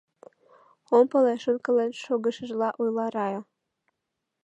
— Ом пале, — шонкален шогышыжла ойла Рая.